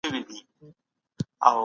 ټولنیز بدلونونه ولې ورو ورو راځي؟